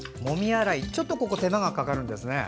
ちょっとここで手間がかかるんですね。